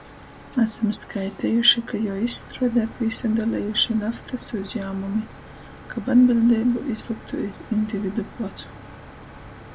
Asam skaitejuši, ka juo izstruodē pīsadalejuši naftys uzjāmumi, kab atbiļdeibu izlyktu iz individu placu.